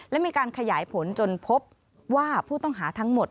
และมีการขยายผลจนพบว่าผู้ต้องหาทั้งหมด